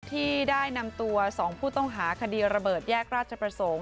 ที่ได้นำตัว๒ผู้ต้องหาคดีระเบิดแยกราชประสงค์